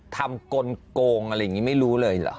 ทำกนโกงอะไรอย่างงี้ไม่รู้เลยเหรอ